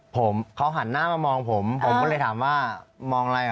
ผมเขาหันหน้ามามองผมผมก็เลยถามว่ามองอะไรอ่ะ